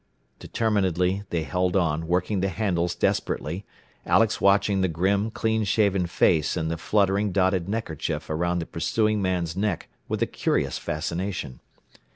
Determinedly they held on, working the handles desperately, Alex watching the grim, clean shaven face and the fluttering dotted handkerchief about the pursuing man's neck with a curious fascination.